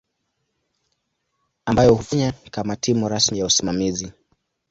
ambayo hufanya kama timu rasmi ya usimamizi.